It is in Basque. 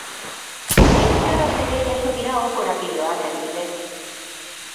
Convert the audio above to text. Euskaraz ere jaso dira aho-korapiloak, adibidez.